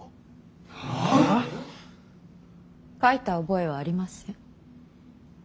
書いた覚えはありません。